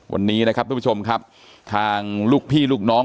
วันนี้นะครับทุกผู้ชมครับทางลูกพี่ลูกน้อง